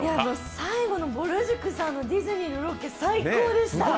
最後のぼる塾さんのディズニーのロケ、最高でした。